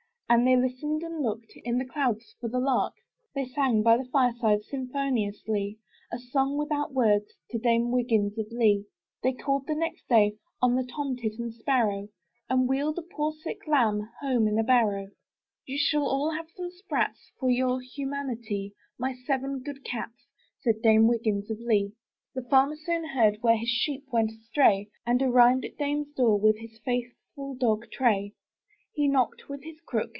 And they listened and looked In the clouds for the lark. They sang, by the fireside, Symphoniouslie, A song without words, To Dame Wiggins of Lee. They called the next day On the tomtit and sparrow. And wheeled a poor sick lamb Home in a barrow. 20 i»» UP ONE PAIR OF STAIRS i ''You shall all have some sprats For your humanity, My seven good cats," Said Dame Wiggins of Lee. The Farmer soon heard Where his sheep went astray, And arrived at Dame's door With his faithful dog Tray. He knocked with his crook.